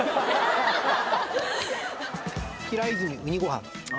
平泉うにごはん。